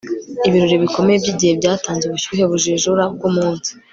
Ibirori bikomeye byigihe byatanze ubushyuhe bujijura bwumunsi